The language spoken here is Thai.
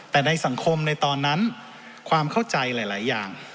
แต่ในสังคมในตอนนั้นความเข้าใจหลายอย่าง